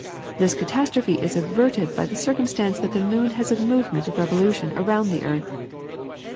This catastrophe is averted by the circumstance that the moon has a movement of revolution around the earth.